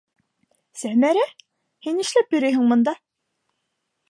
Сәмәрә?! һин нишләп йөрөйһөң бында?